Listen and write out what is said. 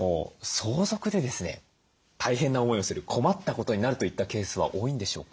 相続でですね大変な思いをする困ったことになるといったケースは多いんでしょうか？